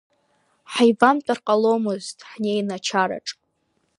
Ҳаивамтәар ҟаломызт ҳнеины ачараҿ…